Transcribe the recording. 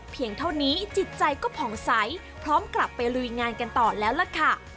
เท่านี้จิตใจก็ผ่องใสพร้อมกลับไปลุยงานกันต่อแล้วล่ะค่ะ